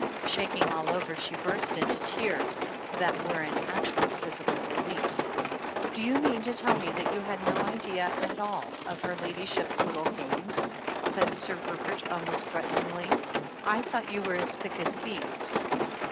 Shaking all over, she burst into tears that were an actual physical relief. "Do you mean to tell me that you had no idea at all of her ladyship's little games?" said Sir Rupert, almost threateningly. "I thought you were as thick as thieves."